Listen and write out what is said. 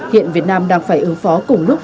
hiện việt nam đang phải ứng phó cùng lúc